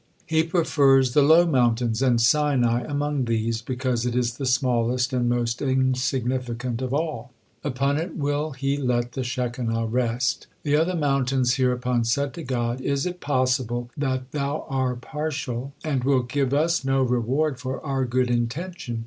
He prefers the low mountains, and Sinai among these, because it is the smallest and most insignificant of all. Upon it will He let the Shekinah rest." The other mountains hereupon said to God, "Is it possible that Thou are partial, and wilt give us no reward for our good intention?"